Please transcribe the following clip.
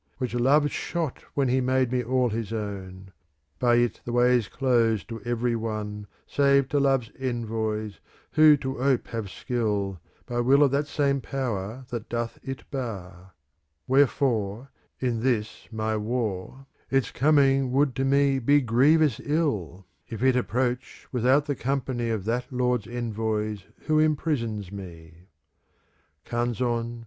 Which Love shot when he made me all his own: By it the way is closed to every one. Save to Love's envoys, who to ope have skill, «" By will of that same Power that doth it bar: Wherefore, in this my war, Its coming would to me be grievous ill, <3 45 Evidence, if that were needed, of the purity of the poet's passion.